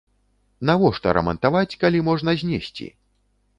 Навошта рамантаваць, калі можна знесці?